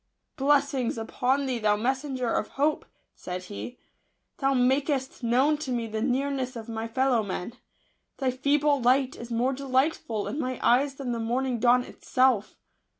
" Blessings upon thee, thou messen ger of hope I" said he ;" thou makest known to me the nearness of my fellow men. Thy feeble light is more delightful in my eyes than the morning dawn itself.